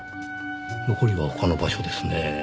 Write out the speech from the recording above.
残りは他の場所ですねぇ。